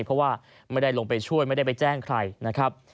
เพราะว่าไม่ได้ลงไปช่วยไม่ได้ไปแจ้งใครนะครับ